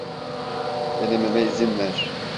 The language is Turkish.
Denememe izin ver.